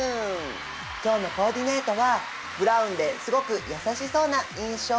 今日のコーディネートはブラウンですごく優しそうな印象。